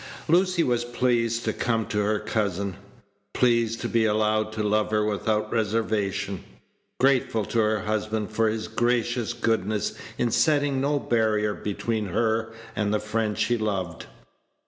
Lucy was pleased to come to her cousin pleased to be allowed to love her without reservation grateful to her husband for his gracious goodness in setting no barrier between her and the friend she loved.